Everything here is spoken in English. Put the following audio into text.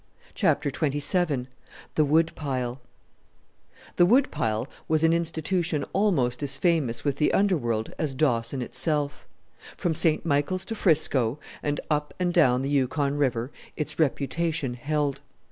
CHAPTER XXVII THE WOOD PILE The Wood pile was an institution almost as famous with the underworld as Dawson itself. From St. Michael's to Frisco, and up and down the Yukon River, its reputation held.